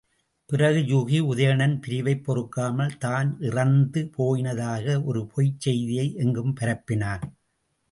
பிறகு யூகி உதயணன் பிரிவைப் பொறுக்காமல் தான் இறந்து போயினதாக ஒரு பொய்ச் செய்தியை எங்கும் பரப்பினான்.